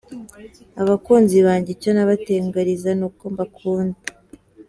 Abakunzi banjye icyo nabatangariza ni uko mbakunda.